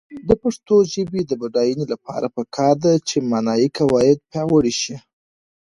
د پښتو ژبې د بډاینې لپاره پکار ده چې معنايي قواعد پیاوړې شي.